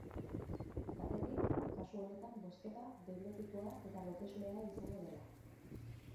Batetik, kasu honetan bozketa behin betikoa eta loteslea izango dela.